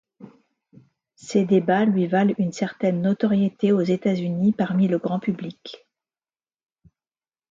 Ces débats lui valent une certaine notoriété aux États-Unis parmi le grand-public.